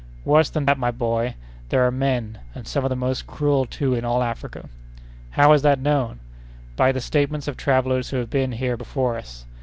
"Worse than that, my boy! There are men, and some of the most cruel, too, in all Africa." "How is that known?" "By the statements of travellers who have been here before us.